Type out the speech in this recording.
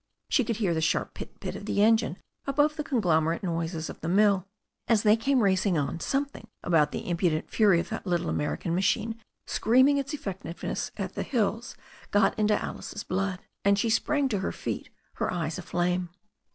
She could hear the sharp pit pit of the engine above the conglomerate noises of the mill. As they came racing on, something about the impudent fury of that little American machine screaming its effectiveness at the hills got into Alice's blood, and she sprang to her feet, her eyes aflame.